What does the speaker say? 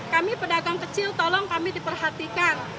kami pedagang kecil tolong kami diperhatikan